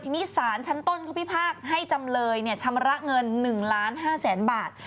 ทีนี้ศาลชั้นต้นของพี่ภาคให้จำเลยชำระเงิน๑๕ล้านบาท